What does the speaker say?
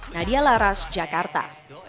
nadia laras jakarta